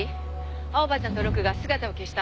青葉ちゃんとロクが姿を消した。